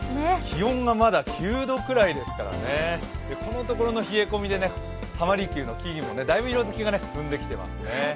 気温がまだ９度くらいですからね、ここのところの冷え込みで浜離宮の木々もだいぶ色づいてきていますね。